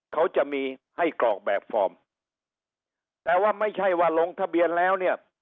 เขาจะมีให้กรอกแบบฟอร์มแต่ว่าไม่ใช่ว่าลงทะเบียนแล้วเนี่ย